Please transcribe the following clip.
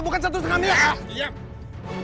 bukan satu lima miliar